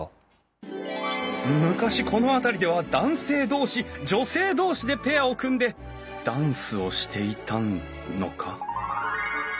昔この辺りでは男性同士女性同士でペアを組んでダンスをしていたのか？